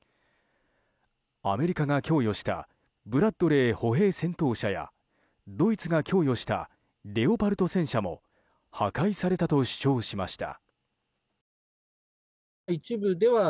アメリカが供与したブラッドレー歩兵戦闘車やドイツが供与したレオパルト戦車も破壊されたと主張しました。